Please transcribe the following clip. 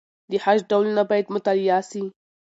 د خج ډولونه باید مطالعه سي.